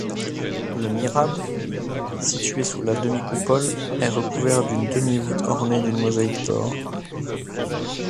Le mihrab, situé sous la demi-coupole, est recouvert d'une demi-voûte ornée d'une mosaïque d'or.